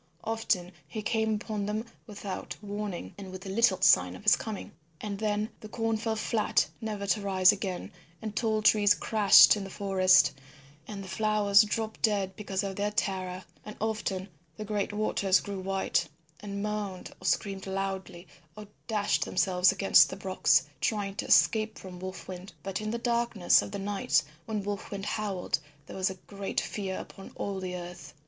Often he came upon them without warning and with little sign of his coming. And then the corn fell flat never to rise again, and tall trees crashed in the forest, and the flowers dropped dead because of their terror; and often the great waters grew white and moaned or screamed loudly or dashed themselves against the rocks trying to escape from Wolf Wind. And in the darkness of the night when Wolf Wind howled, there was great fear upon all the earth.